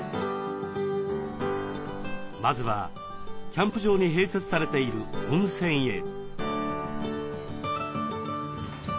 まずはキャンプ場に併設されている温泉へ。